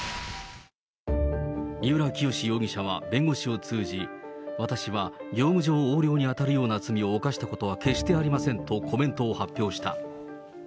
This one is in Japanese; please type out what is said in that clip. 三浦清志容疑者は弁護士を通じ、私は業務上横領に当たるような罪を犯したことは決してありませんと、コメントを発表した。